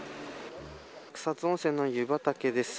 草津温泉の湯畑です。